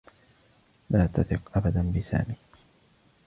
لا تثق أبدا بسامي.